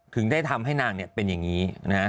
ถึงได้ทำให้นางเป็นอย่างนี้นะฮะ